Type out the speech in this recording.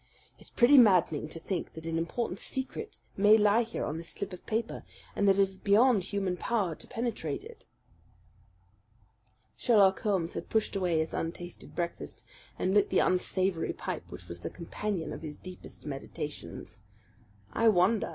"It's pretty maddening to think that an important secret may lie here on this slip of paper, and that it is beyond human power to penetrate it." Sherlock Holmes had pushed away his untasted breakfast and lit the unsavoury pipe which was the companion of his deepest meditations. "I wonder!"